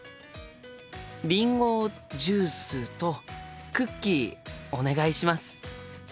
りんごジュースとクッキーお願いします。